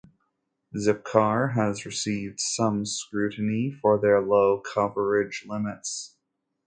Zipcar has received some scrutiny for their low coverage limits.